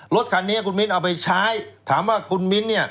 รถคันนี้คุณมิ้นเอาไปใช้ถามว่าคุณมิ้นเนี่ย